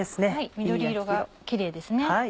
緑色がキレイですね。